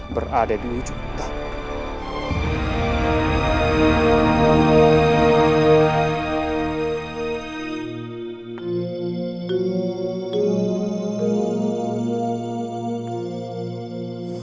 berada di ujung tangan